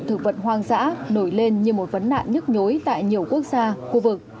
thực vật hoang dã nổi lên như một vấn nạn nhức nhối tại nhiều quốc gia khu vực